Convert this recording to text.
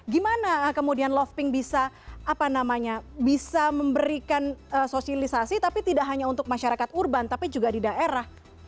gimana kemudian loving bisa apa namanya bisa memberikan sosialisasi tapi tidak hanya untuk masyarakat urban tapi juga di daerah